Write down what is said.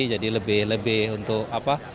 jadi lebih lebih untuk apa